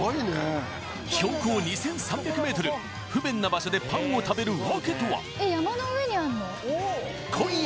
標高２３００ｍ、不便な場所でパンを食べる訳とは。